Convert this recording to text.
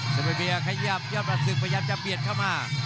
ซุปเปอร์เบียร์ขยับยอดปรับสึกพยายามจะเบียดเข้ามา